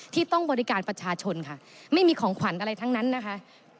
ที่ต้องบริการประชาชนค่ะไม่มีของขวัญอะไรทั้งนั้นนะคะ